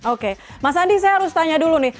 oke mas andi saya harus tanya dulu nih